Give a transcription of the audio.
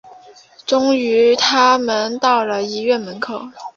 终于他们到了医院门口